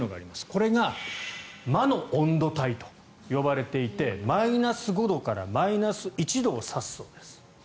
これが魔の温度帯と呼ばれていてマイナス５度からマイナス１度を指すそうです。